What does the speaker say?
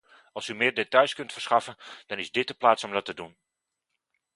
Als u meer details kunt verschaffen, dan is dit de plaats om dat doen.